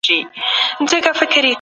جان سبت د میتود اهمیت ته اشاره کړې.